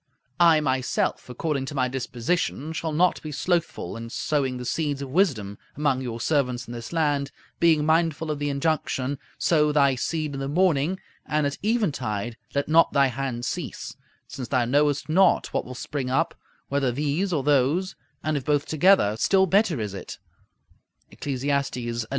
I, myself, according to my disposition, shall not be slothful in sowing the seeds of wisdom among your servants in this land, being mindful of the injunction, "Sow thy seed in the morning, and at eventide let not thy hand cease; since thou knowest not what will spring up, whether these or those, and if both together, still better is it" (Eccles. xi. 6).